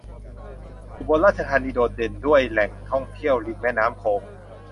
อุบลราชธานีโดดเด่นด้วยแหล่งท่องเที่ยวริมแม่น้ำโขง